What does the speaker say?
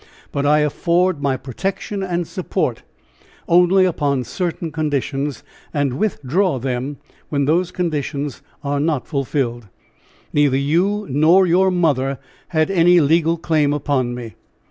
But I afford my protection and support only upon certain conditions, and withdraw them when those conditions are not fulfilled! Neither you nor your mother had any legal claim upon me.